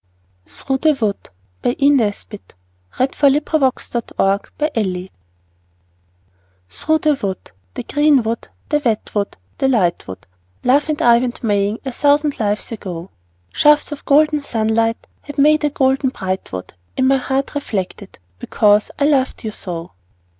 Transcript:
seed, but let the blossom die. ROSEMARY 51 THROUGH THE WOOD THKOUGH the wood, the green wood, the wet wood, the light wood, Love and I went maying a thousand lives ago ; Shafts of golden sunlight had made a golden bright wood In my heart reflected, because I loved you so.